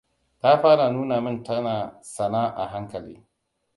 Ta fara nuna min tsana a hankali.